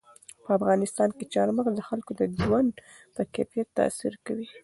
په افغانستان کې چار مغز د خلکو د ژوند په کیفیت تاثیر کوي.